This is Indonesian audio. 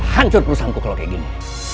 hancur perusahaanku kalau kayak gini